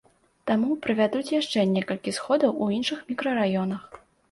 Таму правядуць яшчэ некалькі сходаў у іншых мікрараёнах.